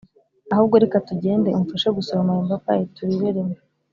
ahubwo reka tugende umfashe gusoroma ayo mapapayi, turire rimwe